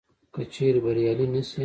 که چیري بریالي نه سي